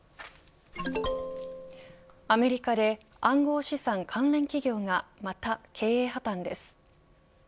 アメリカで暗号資産関連企業がまた経営破綻です。